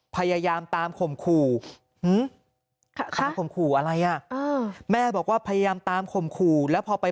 พยายามตามคมคู่อะไรอ่ะแม่บอกว่าพยายามตามคมคู่แล้วพอไป